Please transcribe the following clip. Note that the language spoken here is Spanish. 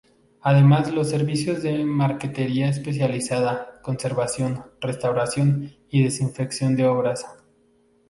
Además los servicios de Marquetería especializada, conservación, restauración y desinfección de obras.